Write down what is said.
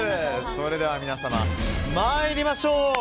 それでは、参りましょう。